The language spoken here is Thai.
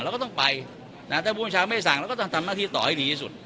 เราก็ต้องไปนะถ้าผู้บัญชาไม่สั่งเราก็ต้องทำหน้าที่ต่อให้ดีที่สุด